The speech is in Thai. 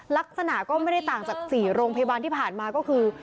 ลักษณะก็ไม่ได้ต่างจาก๔โรงพยาบาลที่ผ่านมาก็คือ